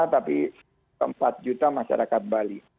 tapi keempat juta masyarakat bali